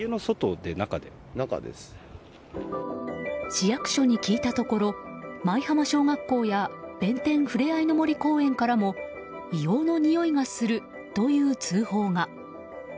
市役所に聞いたところ舞浜小学校や弁天ふれあいの森公園からも硫黄のにおいがするという通報が。